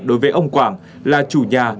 đối với ông quảng là chủ nhà